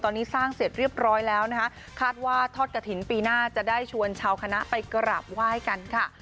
ตอนนี้สร้างเสร็จเรียบร้อยแล้วนะคะคาดว่าทอดกระถิ่นปีหน้าจะได้ชวนชาวคณะไปกราบไหว้กันค่ะ